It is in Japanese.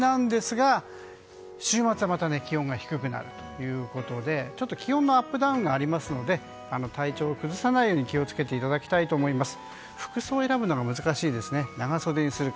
そのあと、今週の気温ですがあさって、しあさっては平年より高めなんですが週末はまた気温が低くなるということで気温のアップダウンがありますので体調を崩さないように気を付けていただきたいと思います。